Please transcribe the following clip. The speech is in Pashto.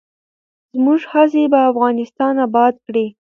زموږ هڅې به افغانستان اباد کړي.